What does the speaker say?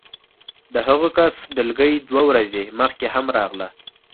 د هغه کس ډلګۍ دوه ورځې مخکې هم راغله